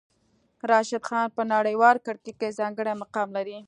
راشد خان په نړیوال کرکټ کې ځانګړی مقام لري.